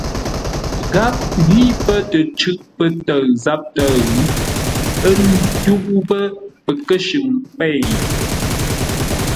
Gháp ghí pə́ tə cʉ́ʼ pə́ tə̂ʉ záp tə̌ʉ, ə́ ndúʼú pə́ pəkə́shʉŋ pêi.